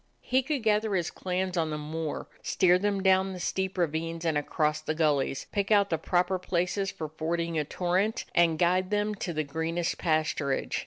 He could gather his clans on the moor, steer them down the steep ravines and across the gullies, pick out the proper places for fording a torrent, and guide them to the greenest pasturage.